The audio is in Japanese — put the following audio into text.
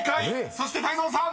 そして泰造さん］